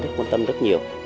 như thức quan tâm rất nhiều